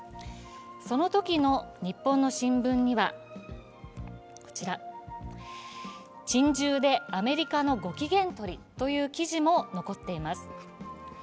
そのときの日本の新聞には、「珍獣でアメリカのご機嫌取り」という記事も残っています。